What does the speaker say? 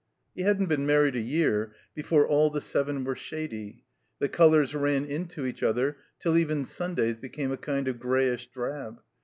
He hadn't been married a year before all the seven were shady; the colors ran into each other till even Sundays became a kind of grayish drab.